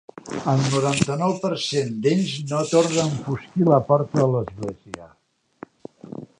El noranta-nou per cent d'ells no torna a enfosquir la porta de l'església.